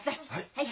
はい！